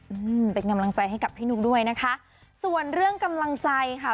อืมเป็นกำลังใจให้กับพี่นุ๊กด้วยนะคะส่วนเรื่องกำลังใจค่ะ